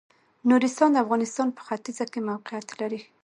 نورستان د افغانستان په ختيځ کې موقيعت لري.